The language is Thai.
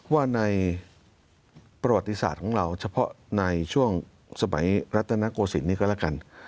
ว่าในประวัติศาสตร์ของเราเฉพาะในช่วงสมัยรัตนโกศิลปนี้ก็แล้วกัน